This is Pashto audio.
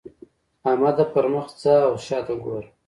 احمده! پر مخ ځه او شا ته ګوره.